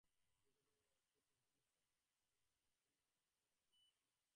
স্বর্গে যাওয়ার অর্থ খুব ধনী হওয়া, এবং তাহা হইলে বাসনাও বাড়িতে থাকিবে।